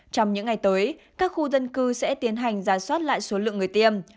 trong những ngày tới các khu dân cư sẽ tiến hành giả soát lại số lượng người tiêm